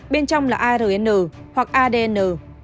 bên trong là arn hoặc adn